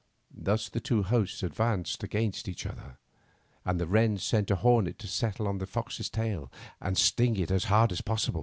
Thus the two hosts advanced against each other, and the wren sent a hornet, to settle on the fox's tail and sting it as hard as possible.